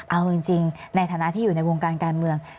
เอาจริงในฐานะที่อยู่ในวงการการเมือง